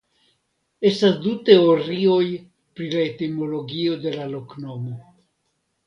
Estas du teorioj pri la etimologio de la loknomo.